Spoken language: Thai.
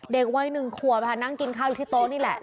เด็กวัย๑ขวบค่ะนั่งกินข้าวอยู่ที่โต๊ะนี่แหละ